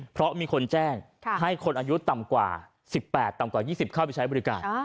เพราะมีคนแจ้งให้คนอายุต่ำกว่า๑๘ต่ำกว่า๒๐เข้าไปใช้บริการ